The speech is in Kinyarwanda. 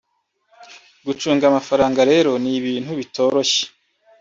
Gucunga amafaranga rero ni ibintu bitoroshye